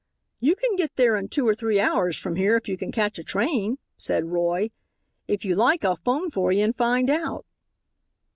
"You can get there in two or three hours from here if you can catch a train," said Roy. "If you like I'll phone for you and find out."